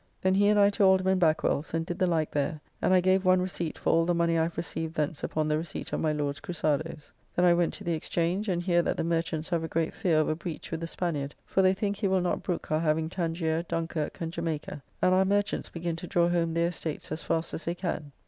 Then he and I to Alderman Backwell's and did the like there, and I gave one receipt for all the money I have received thence upon the receipt of my Lord's crusados. Then I went to the Exchange, and hear that the merchants have a great fear of a breach with the Spaniard; for they think he will not brook our having Tangier, Dunkirk, and Jamaica; and our merchants begin to draw home their estates as fast as they can.